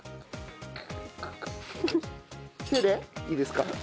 いいですか？